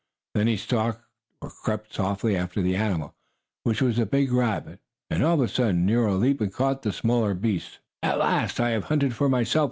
Then he stalked, or crept softly after, the animal, which was a big rabbit, and, all of a sudden, Nero leaped and caught the smaller beast. "At last I have hunted for myself!"